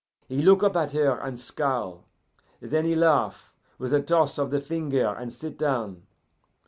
He look up at her and scowl; then he laugh, with a toss of the finger, and sit down.